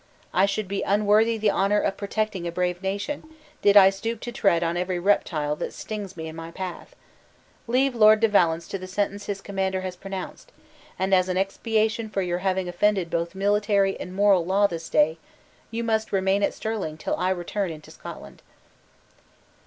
I should be unworthy the honor of protecting a brave nation, did I stoop to tread on every reptile that stings me in my path. Leave Lord de Valence to the sentence his commander has pronounced, and as an expiation for your having offended both military and moral law this day, you must remain at Stirling till I return into Scotland."